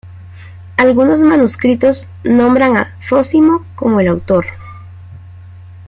Algunos manuscritos nombran a "Zósimo" como el autor.